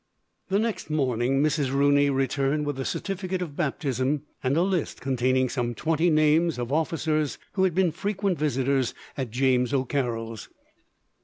The next morning, Mrs. Rooney returned with the certificate of baptism, and a list containing some twenty names of officers who had been frequent visitors at James O'Carroll's.